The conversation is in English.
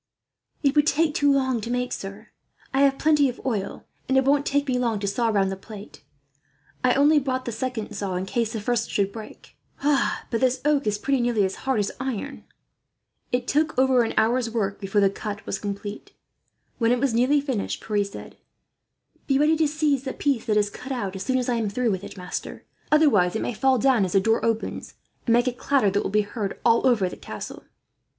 "It would take too long to make, sir. I have plenty of oil, and it won't take me long to saw round the plate. I only brought the second saw in case the first should break. But this oak is pretty nearly as hard as iron." It took over an hour's work before the cut was complete. When it was nearly finished, Pierre said: "Be ready to seize the piece that is cut out, as soon as I am through with it, master; otherwise it may fall down, as the door opens, and make a clatter that will be heard all over the castle."